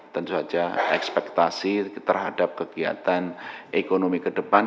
tentu saja ekspektasi terhadap kegiatan ekonomi ke depan